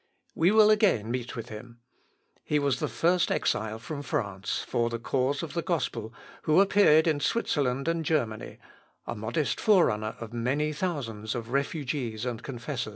We will again meet with him. He was the first exile from France, for the cause of the gospel, who appeared in Switzerland and Germany a modest fore runner of many thousands of refugees and confessors.